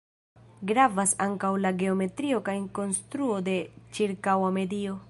Gravas ankaŭ la geometrio kaj konstruo de ĉirkaŭa medio.